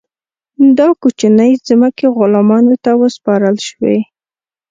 دا کوچنۍ ځمکې غلامانو ته وسپارل شوې.